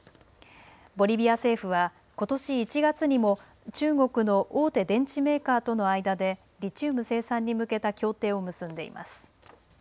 ボリビア政府は、ことし１月にも中国の大手電池メーカーとの間でリチウム生産に向けた協定を結んでいます。